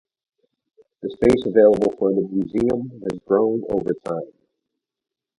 The space available for the museum has grown over time.